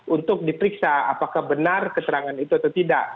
untuk diperiksa apakah benar keterangan itu atau tidak